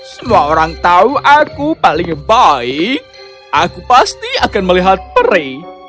semua orang tahu aku paling baik aku pasti akan melihat peri